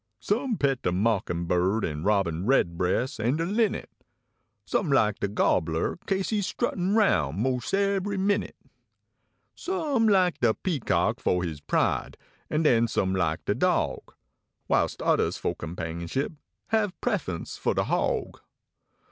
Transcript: Some pet de mockin bird en robin redbress an de linnit ; Some like de gobler kase he s struttin roun mos ebery minute. Some like de peacock fo his pride, an den some like de dog, Whilst odders fo companionship have prefunce fo de hog.